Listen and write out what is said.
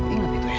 ingat itu ya